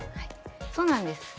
そうなんです。